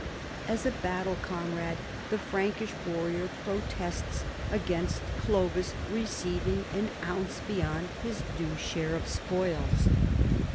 As a battle comrade the Frankish warrior protests against Clovis receiving an ounce beyond his due share of the spoils.